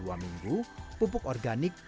maka airnya akan lebih sedikit